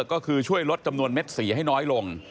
ก็คือช่วยลดจำนวนเม็ดสีให้น้อยลง